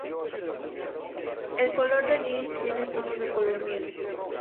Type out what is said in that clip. El color del iris tiene tonos de color miel.